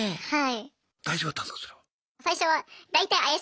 はい。